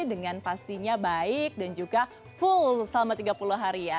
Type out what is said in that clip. dengan pastinya baik dan juga full selama tiga puluh hari ya